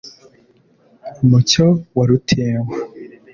mucyo wa rutinywa